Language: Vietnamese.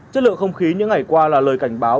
chất lượng không khí những ngày qua là lời cảnh báo